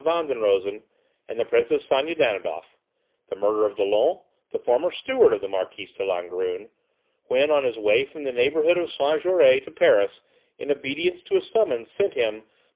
Van den Rosen and the Princess Sonia Danidoff; the murder of Dollon, the former steward of the Marquise de Langrune, when on his way from the neighbourhood of Saint Jaury to Paris in obedience to a summons sent him by M.